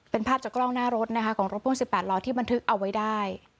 เป็นภาพจากกล้องหน้ารถนะคะของรถพ่วง๑๘ล้อที่บันทึกเอาไว้ได้